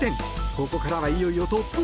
ここからはいよいよトップ３。